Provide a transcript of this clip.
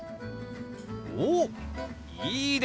おっいいですね！